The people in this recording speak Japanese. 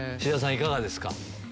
いかがですか？